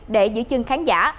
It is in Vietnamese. để giữ chân khán giả